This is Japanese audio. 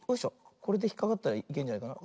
これでひっかかったらいけんじゃないかな。